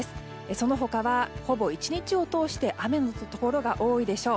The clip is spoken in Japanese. その他は、ほぼ１日を通して雨のところが多いでしょう。